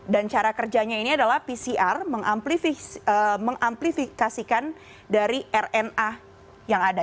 dan cara kerjanya ini adalah pcr mengamplifikasikan dari rna yang ada